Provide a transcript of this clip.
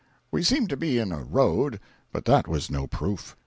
We seemed to be in a road, but that was no proof.